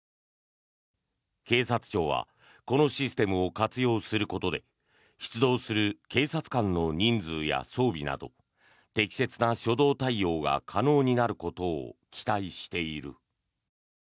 警察庁はこのシステムを活用することで出動する警察官の人数や装備など適切な初動対応が可能になることを期待している。